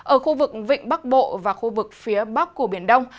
ở khu vực vịnh bắc bộ và khu vực phía bắc của biển đông